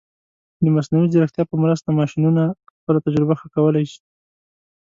د مصنوعي ځیرکتیا په مرسته، ماشینونه خپله تجربه ښه کولی شي.